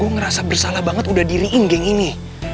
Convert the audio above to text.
dan gue ngerasa bersalah banget udah diriin geng ini